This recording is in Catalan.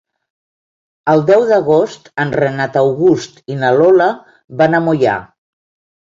El deu d'agost en Renat August i na Lola van a Moià.